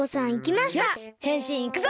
よしへんしんいくぞ！